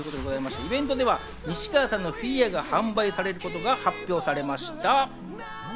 イベントでは西川さんのフィギュアが販売されることが発表されました。